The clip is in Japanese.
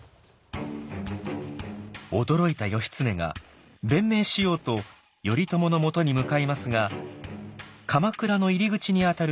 驚いた義経が弁明しようと頼朝のもとに向かいますが鎌倉の入り口にあたる腰越で止められてしまいます。